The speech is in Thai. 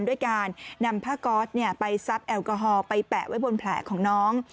ด้วยการนำผ้าก๊อตไปซัดแอลกอฮอล์ไปแปะไว้บนแผลของน้อง